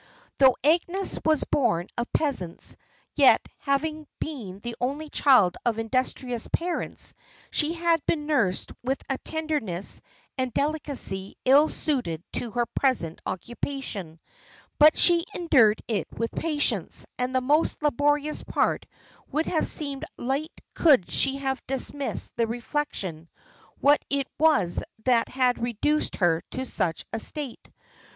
Though Agnes was born of peasants, yet, having been the only child of industrious parents, she had been nursed with a tenderness and delicacy ill suited to her present occupation; but she endured it with patience; and the most laborious part would have seemed light could she have dismissed the reflection what it was that had reduced her to such a state.